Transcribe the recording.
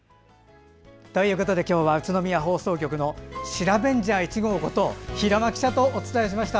今日は宇都宮放送局のシラベンジャー１号こと平間記者とお伝えしました。